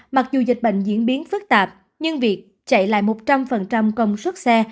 mặc dù dịch bệnh diễn biến phức tạp nhưng việc chạy lại một trăm linh công suất xe